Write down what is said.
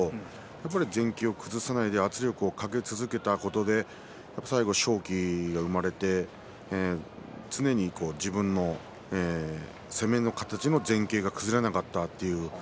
前傾を崩さないで圧力をかけ続けたことで最後、勝機が生まれて、常に自分の攻めの形の前傾が崩れなかったという。